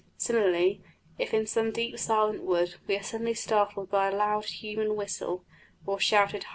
Similarly, if in some deep, silent wood we are suddenly startled by a loud human whistle or shouted "Hi!"